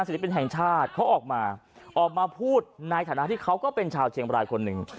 ปินแห่งชาติเขาออกมาออกมาพูดในฐานะที่เขาก็เป็นชาวเชียงบรายคนหนึ่ง